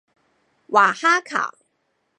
瓦哈卡。